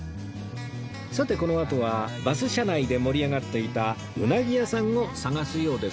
さてこのあとはバス車内で盛り上がっていた鰻屋さんを探すようですが